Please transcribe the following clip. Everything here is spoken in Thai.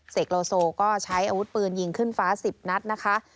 โลโซก็ใช้อาวุธปืนยิงขึ้นฟ้า๑๐นัดนะคะ